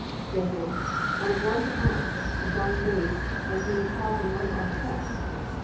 Therefore, out of love to us, the fallen race, as we are taught in one of our texts (Phil.